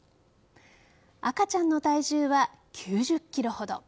赤ちゃんの体重は９０ｋｇほど。